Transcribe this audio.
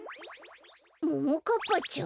ももかっぱちゃん。